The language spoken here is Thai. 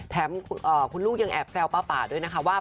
แถมคุณลูกยังแอบแซวป้าป่าด้วยนะคะว่า